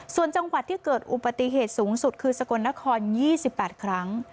ส่วนจังหวัดที่เกิดอุบัติเหตุสูงสุดคือสกลนคร๒๘ครั้ง